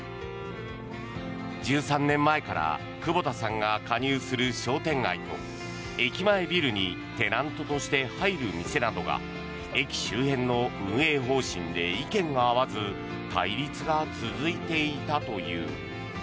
１３年前から久保田さんが加入する商店街と駅前ビルにテナントとして入る店などが駅周辺の運営方針で意見が合わず対立が続いていたという。